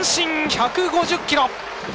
１５０キロ！